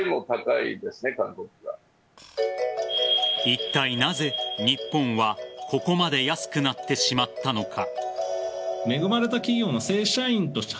いったいなぜ、日本はここまで安くなってしまったのか。